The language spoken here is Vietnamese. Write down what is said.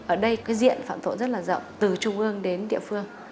ở đây cái diện phản thổ rất là rộng từ trung ương đến địa phương